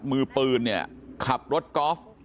มือปืนเนี่ยขับรถกอล์ฟ